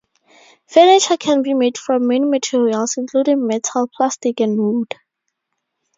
Furniture can be made from many materials, including metal, plastic, and wood.